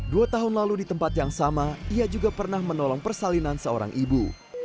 dua tahun lalu di tempat yang sama ia juga pernah menolong persalinan seorang ibu